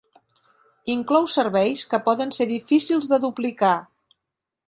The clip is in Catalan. Inclou serveis que poden ser difícils de duplicar.